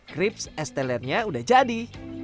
krips estelernya udah jadi